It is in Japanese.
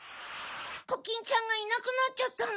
コキンちゃんがいなくなっちゃったの。